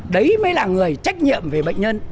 đấy mới là người trách nhiệm về bệnh nhân